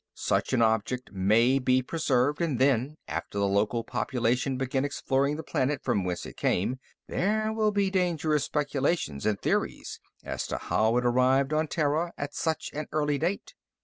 Such an object may be preserved, and then, after the local population begin exploring the planet from whence it came, there will be dangerous speculations and theories as to how it arrived on Terra at such an early date.